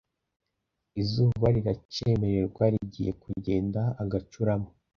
Izuba riracemererwa Rigiye kugenda agacurama